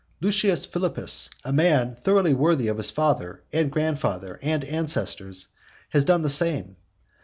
Lucius Philippus, a man thoroughly worthy of his father and grandfather and ancestors, has done the same.